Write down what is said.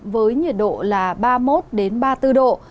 với nhiệt độ là ba mươi một ba mươi bốn độ